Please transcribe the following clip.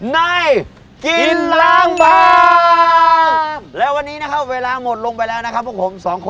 ในกินร้างบาง